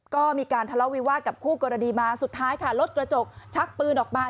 ก็มีการทะเลาะวิวาสกับคู่กรณีมาสุดท้ายค่ะรถกระจกชักปืนออกมา